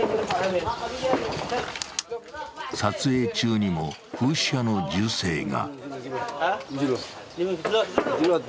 撮影中にも、フーシ派の銃声が。